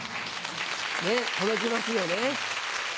届きますよね。